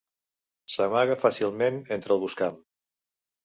S'amaga fàcilment entre el boscam.